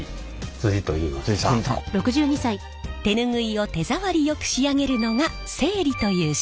手ぬぐいを手触りよく仕上げるのが整理という仕事。